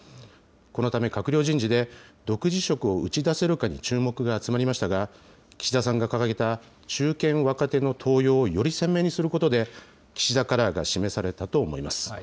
このため、閣僚人事で独自色を打ち出せるかに注目が集まりましたが、岸田さんが掲げた中堅・若手の登用をより鮮明にすることで、岸田カラーが示されたと思います。